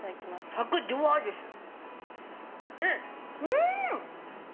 サクッ、じゅわーですよ。